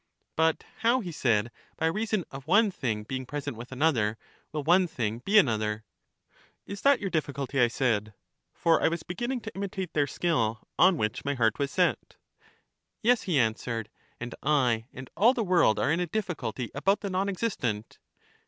But how, he said, by reason of one thing being pres ent with another, will one thing be another? Is that your difficulty? I said. For I was begin ning to imitate their skill, on which my heart was set. Yes, he answered, and I and all the world are in a difficulty about the non existent.